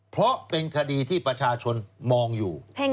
เพราะเป็นคดีที่ประชาชนมองอยู่